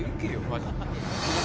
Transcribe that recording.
マジで。